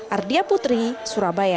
ardia putri surabaya